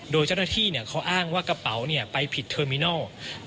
โดยเจ้าหน้าที่เขาอ้างว่ากระเป๋าไปผิดเทอร์มินัล